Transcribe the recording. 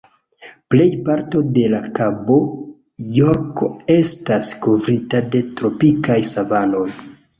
Plej parto de la Kabo Jorko estas kovrita de tropikaj savanoj.